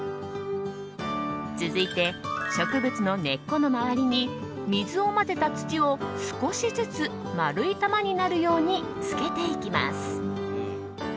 続いて、植物の根っこの周りに水を混ぜた土を少しずつ、丸い玉になるようにつけていきます。